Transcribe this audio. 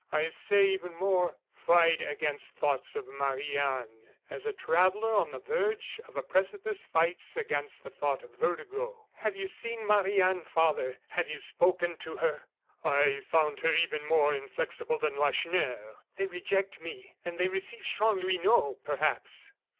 I say even more: fight against thoughts of Marie Anne as a traveller on the verge of a precipice fights against the thought of vertigo." "Have you seen Marie Anne, father? Have you spoken to her?" "I found her even more inflexible than Lacheneur." "They reject me, and they receive Chanlouineau, perhaps."